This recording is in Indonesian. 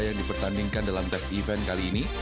yang dipertandingkan dalam tes event kali ini